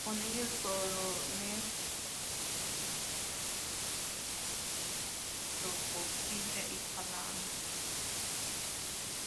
Con ello el coronel Sotomayor parte hacia Cobija, Tocopilla y Calama.